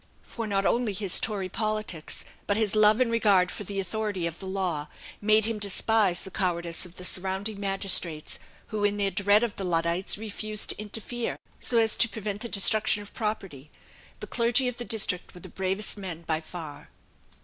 For not only his Tory politics, but his love and regard for the authority of the law, made him despise the cowardice of the surrounding magistrates, who, in their dread of the Luddites, refused to interfere so as to prevent the destruction of property. The clergy of the district were the bravest men by far.